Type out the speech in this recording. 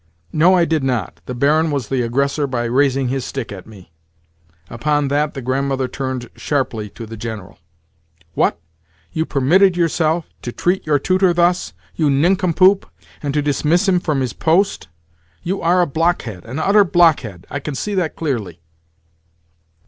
"No, I did not. The Baron was the aggressor by raising his stick at me." Upon that the Grandmother turned sharply to the General. "What? You permitted yourself to treat your tutor thus, you nincompoop, and to dismiss him from his post? You are a blockhead—an utter blockhead! I can see that clearly."